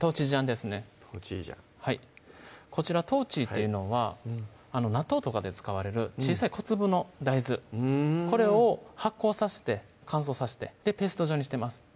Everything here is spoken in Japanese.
こちら「豆」っていうのは納豆とかで使われる小さい小粒の大豆これを発酵さして乾燥さしてペースト状にしてます